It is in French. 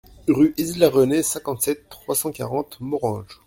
Rue Heitzler René, cinquante-sept, trois cent quarante Morhange